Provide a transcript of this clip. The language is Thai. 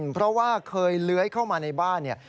เพราะว่าเคยเลื้อยเข้ามาในบ้านเนี่ย